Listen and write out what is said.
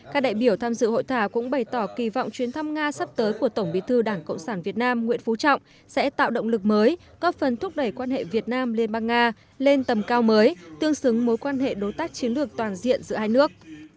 các đại biểu tham dự hội thảo cũng bày tỏ kỳ vọng chuyến thăm nga sắp tới của tổng bí thư đảng cộng sản việt nam nguyễn phú trọng sẽ tạo động lực mới góp phần thúc đẩy quan hệ việt nam liên bang nga lên tầm cao mới tương xứng mối quan hệ đối tác chiến lược toàn diện giữa hai nước